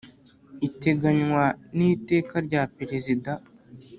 iteganywa ni teka rya perezida